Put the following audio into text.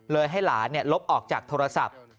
ให้หลานลบออกจากโทรศัพท์